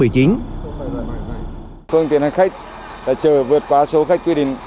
phương tiện hành khách chở vượt quá số khách quy định